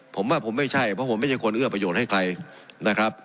ผมว่าผมไม่ใช่เพราะผมไม่ใช่คนเอื้อประโยชน์ให้ใครนะครับ